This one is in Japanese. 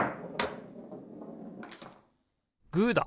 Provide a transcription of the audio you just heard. グーだ！